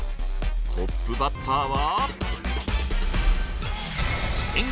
トップバッターは。